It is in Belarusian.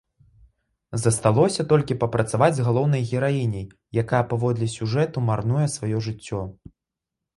Засталося толькі папрацаваць з галоўнай гераіняй, якая паводле сюжэту марнуе сваё жыццё.